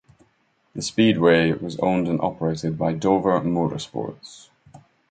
The speedway was owned and operated by Dover Motorsports.